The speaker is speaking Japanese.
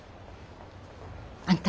あんた。